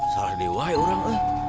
salah diwahai orang